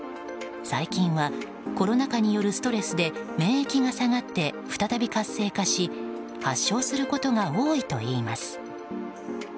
最近はコロナ禍によるストレスで免疫が下がって再び活性化し発症することが多いといいます。